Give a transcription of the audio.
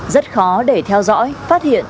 rất khó để theo dõi phát hiện